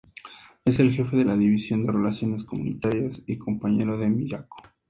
Es el jefe de la división de relaciones comunitarias y compañero de Miyako.